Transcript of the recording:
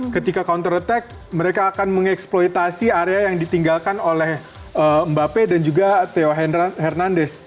ketika counter attack mereka akan mengeksploitasi area yang ditinggalkan oleh mbak pe dan juga theo hernandes